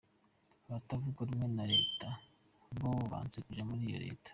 Abatavuga rumwe na leta bo banse kuja muri iyo leta.